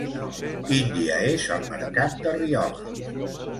Quin dia és el mercat de Riola?